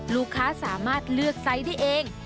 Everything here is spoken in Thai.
ลูกค้าสามารถเลือกไซส์ได้เอง